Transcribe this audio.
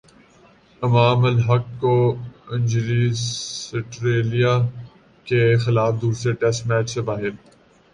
امام الحق کو injury Australia کے خلاف دوسرے ٹیسٹ میچ سے باہر